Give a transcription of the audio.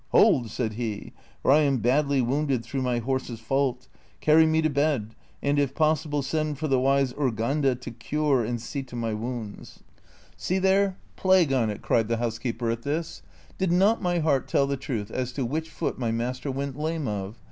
" Hold !" said he, " for I am badly wounded through my horse's fault ; carry me to bed, and if possible send for the wise Urganda to cure and see to my wounds." 30 DON QUIXOTE. " See there ! plague on it !" cried the housekeeper at this :" did not my heart tell the truth as to which foot my master went lame of?